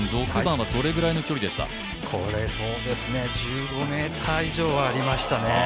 これ、１５ｍ以上はありましたね。